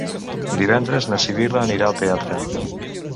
Divendres na Sibil·la anirà al teatre.